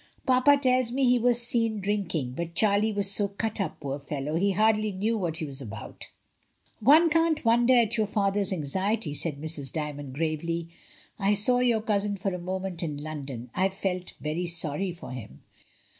"Papa tells me he was seen drinking, but Charlie was so cut up, poor fellow, he hardly knew what he was about." "One can't wonder at your father's anxiety," said Mrs. Dymond gravely. "I saw your cousin for a moment in London. I felt very sorry for him."